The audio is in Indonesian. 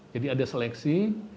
jadi ada seleksi